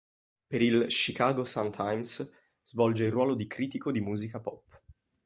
Per il "Chicago Sun-Times", svolge il ruolo di critico di musica pop.